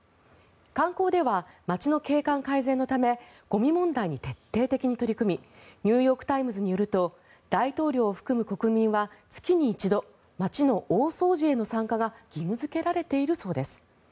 観光では街の景観改善のためゴミ問題に徹底的に取り組みニューヨーク・タイムズによると大統領を含む国民は月に一度、街の大掃除への参加が義務付けられているそうです。